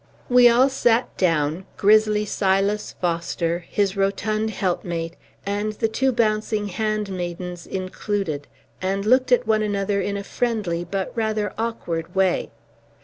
We all sat down, grizzly Silas Foster, his rotund helpmate, and the two bouncing handmaidens, included, and looked at one another in a friendly but rather awkward way.